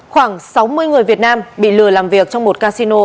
khoảng sáu mươi người việt nam bị lừa làm việc trong một casino